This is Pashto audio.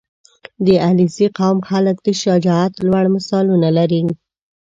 • د علیزي قوم خلک د شجاعت لوړ مثالونه لري.